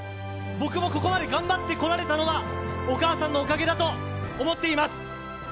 僕もここまで頑張ってこられたのはお母さんのおかげだと思っています。